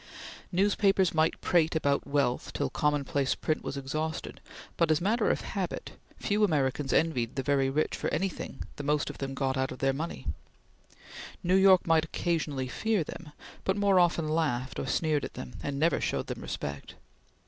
Newspapers might prate about wealth till commonplace print was exhausted, but as matter of habit, few Americans envied the very rich for anything the most of them got out of money. New York might occasionally fear them, but more often laughed or sneered at them, and never showed them respect.